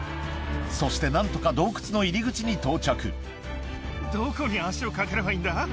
そして何とか洞窟の入り口に到着どこに足をかければいいんだ？